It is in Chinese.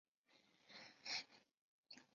康熙四十八年己丑科进士。